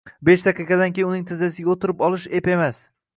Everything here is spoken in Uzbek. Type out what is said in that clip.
besh daqiqadan keyin uning tizzasiga o‘tirib olish ep emas.